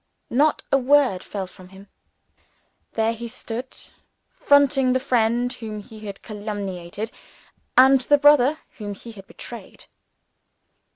Not a word fell from him. There he stood, fronting the friend whom he had calumniated and the brother whom he had betrayed.